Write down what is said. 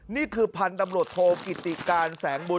นี่คือพันธุ์ตำรวจโทกิติการแสงบุญ